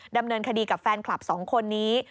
ดำเนินคดีกับแฟนคลับสองคนนี้